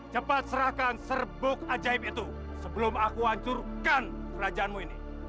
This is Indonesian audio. cepat serahkan serbuk ajaib itu sebelum aku hancurkan kerajaanmu ini